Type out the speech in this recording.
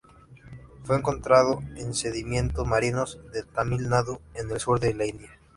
Fue encontrado en sedimento marinos de Tamil Nadu en el sur de la India.